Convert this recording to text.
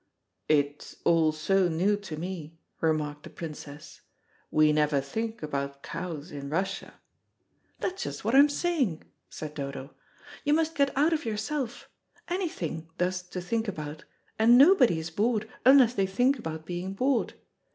"It's all so new to me," remarked the Princess. "We never think about cows in Russia." "That's just what I'm saying," said Dodo. "You must get out of yourself. Anything, does to think about, and nobody is bored unless they think about being bored.